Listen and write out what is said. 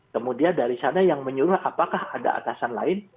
kemudian dari sana yang menyuruh apakah ada atasan lain